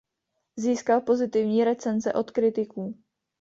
Získal pozitivní recenze od kritiků.